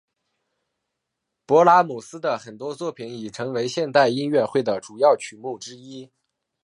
勃拉姆斯的很多作品已成为现代音乐会的主要曲目之一。